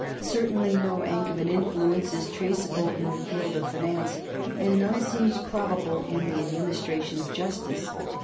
Certainly no Angevin influence is traceable in the field of finance, and none seems probable in the administration of justice.